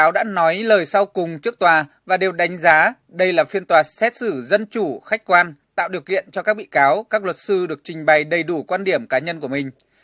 báo cáo đã nói lời sau cùng trước tòa và đều đánh giá đây là phiên tòa xét xử dân chủ khách quan tạo điều kiện cho các bị cáo các luật sư được trình bày đầy đủ quan điểm cá nhân của mình